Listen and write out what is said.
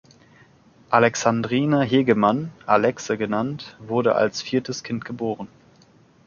Alexandrine Hegemann, Alexe genannt, wurde als viertes Kind geboren.